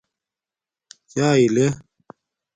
چاݵے لے